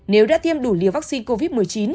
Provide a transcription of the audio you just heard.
nếu đã tiêm đủ liều vaccine covid một mươi chín